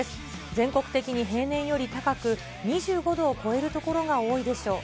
全国的に平年より高く、２５度を超える所が多いでしょう。